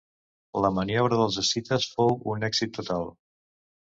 La maniobra dels escites fou un èxit total.